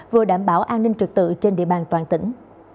vừa đảm bảo an ninh trực tự trên địa bàn toàn tỉnh